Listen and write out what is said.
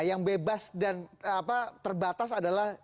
yang bebas dan terbatas adalah